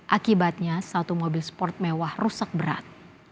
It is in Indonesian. akibatnya satu mobil sport mewah rusak berat